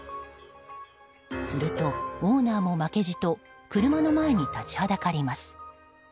すると、オーナーも負けじと車の前に立ちはだかります。